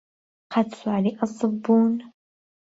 قەت سواری ئەسپ بوون؟